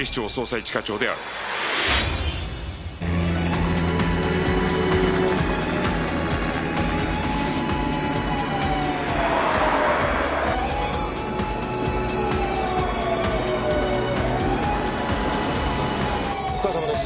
一課長お疲れさまです。